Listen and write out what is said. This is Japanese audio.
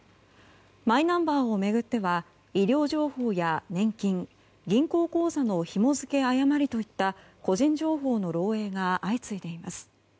マイナンバーを巡っては医療情報や年金、銀行口座のひも付け誤りといった個人情報の漏洩が相次いでいます。